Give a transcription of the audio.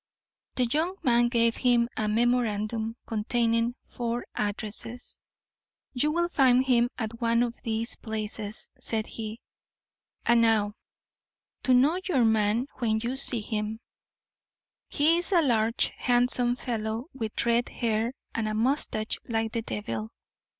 The young man gave him a memorandum, containing four addresses. "You will find him at one of these places," said he. "And now to know your man when you see him. He is a large, handsome fellow, with red hair and a moustache like the devil.